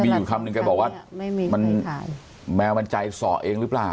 มีอยู่คำนึงแกบอกว่ามันแมวมันใจสอเองหรือเปล่า